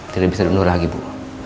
tidak bisa dilurahi bu